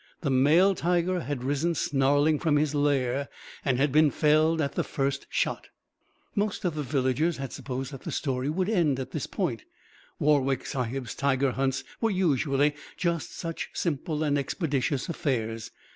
The male tiger had risen snarling from his lair, and had been felled at the first shot. Most of the villagers had supposed that the story would end at this point. Warwick Sahib's tiger hunts were usually just such simple and expeditious affairs.